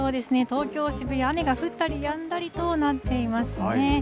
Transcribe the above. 東京・渋谷、雨が降ったりやんだりとなっていますね。